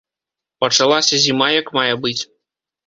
Пачалася зіма як мае быць.